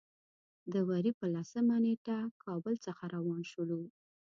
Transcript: د وري په لسمه نېټه کابل څخه روان شولو.